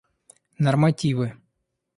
Нормативы